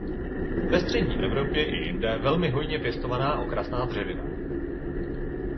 Ve střední Evropě i jinde velmi hojně pěstovaná okrasná dřevina.